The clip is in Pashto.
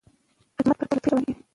خدمت پرته له توپیر وړاندې کېږي.